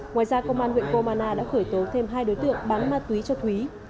ngoài ra công an huyện croman đã khởi tố thêm hai đối tượng bán ma túy cho thúy